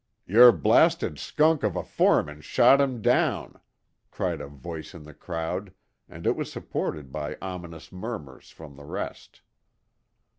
"Your blasted skunk of a foreman shot him down!" cried a voice in the crowd, and it was supported by ominous murmurs from the rest.